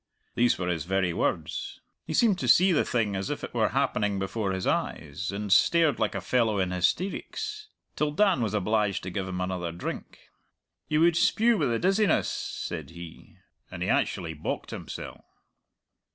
Those were his very words. He seemed to see the thing as if it were happening before his eyes, and stared like a fellow in hysteerics, till Dan was obliged to give him another drink. 'You would spue with the dizziness,' said he, and he actually bocked himsell."